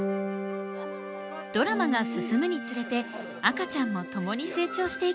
ドラマが進むにつれて赤ちゃんも共に成長していきます。